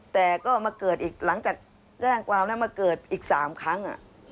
แต่ก็มาเกิดอีกหลังจากแจ้งความแล้วมาเกิดอีก๓ครั้ง